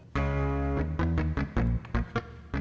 gak malahan sih